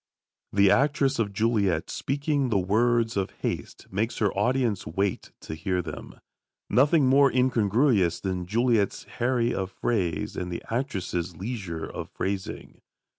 The actress of Juliet, speaking the words of haste, makes her audience wait to hear them. Nothing more incongruous than Juliet's harry of phrase and the actress's leisure of phrasing.